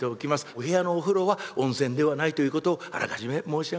お部屋のお風呂は温泉ではないということをあらかじめ申し上げておきます」。